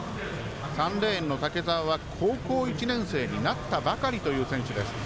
３レーンの竹澤は高校１年生になったばかりという選手です。